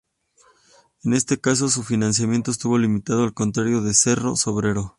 En este caso, su financiamiento estuvo limitado al contrario de Cerro Sombrero.